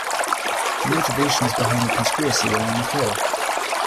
The motivations behind the conspiracy are unclear.